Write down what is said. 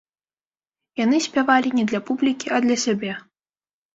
Яны спявалі не для публікі, а для сябе.